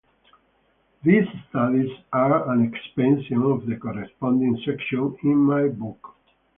These studies are an expansion of the corresponding sections in my book.